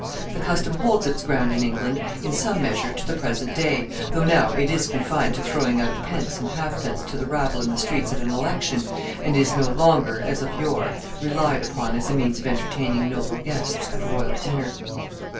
The custom holds its ground in England, in some measure, to the present day, though now it is confined to throwing out pence and halfpence to the rabble in the streets at an election, and is no longer, as of yore, relied upon as a means of entertaining noble guests at a royal dinner.